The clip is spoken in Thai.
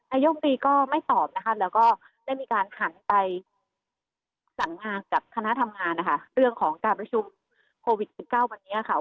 ยมตรีก็ไม่ตอบนะคะแล้วก็ได้มีการหันไปสั่งงานกับคณะทำงานนะคะเรื่องของการประชุมโควิด๑๙วันนี้ค่ะ